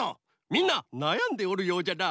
みんななやんでおるようじゃな。